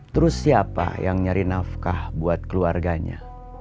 terus siapa yang nyari nafkah buat keluarganya